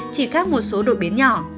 chỉ khác một số đội biến nhỏ